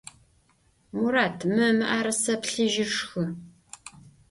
Murat, mı mı'erıse plhıjır şşxı!